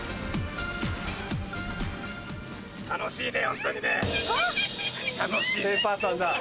楽しいねホントにね。